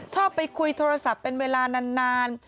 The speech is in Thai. ชอบไปคุยโทรศัพท์เป็นเวลานาน